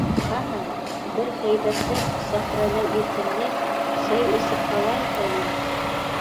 Ҡана, бер һәйбәтләп, сәхрәлә иркенләп сәй эсеп алайыҡ әле.